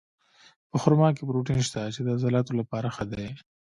په خرما کې پروټین شته، چې د عضلاتو لپاره ښه دي.